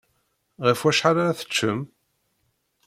Ɣef wacḥal ara teččem?